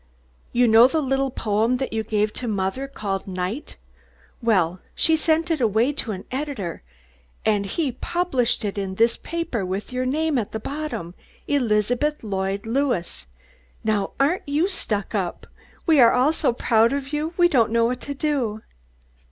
You know that little poem that you gave to mothah, called 'Night?' Well, she sent it away to an editah, and he has published it in this papah with yo' name at the bottom, Elizabeth Lloyd Lewis! Now aren't you stuck up? We are all so proud of you we don't know what to do."